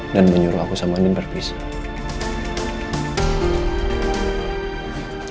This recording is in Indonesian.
dan menyuruh aku sama andin berpisah